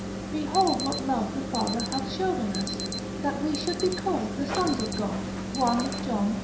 Behold what love the Father hath showed on us, that we should be called the sons of God, 1 John iii.